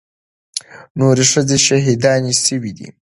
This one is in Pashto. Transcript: نورې ښځې شهيدانې سوې وې.